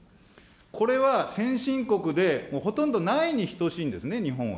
これは先進国で、ほとんどないに等しいんですね、日本は。